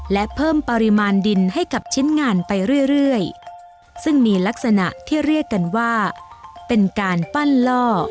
และเพิ่มปริมาณดินให้กับชิ้นงานไปเรื่อยเรื่อยซึ่งมีลักษณะที่เรียกกันว่าเป็นการปั้นล่อ